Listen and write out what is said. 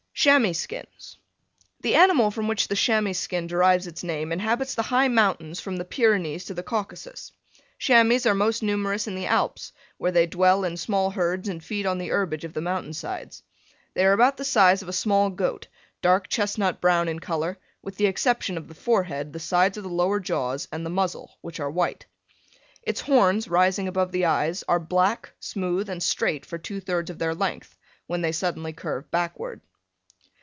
CHAMOIS SKINS. The animal from which the chamois skin derives its name inhabits the high mountains from the Pyrenees to the Caucasus. Chamois are most numerous in the Alps, where they dwell in small herds and feed on the herbage of the mountain sides. They are about the size of a small goat, dark chestnut brown in color, with the exception of the forehead, the sides of the lower jaws and the muzzle, which are white. Its horns, rising above the eyes, are black, smooth and straight for two thirds of their length, when they suddenly curve backward.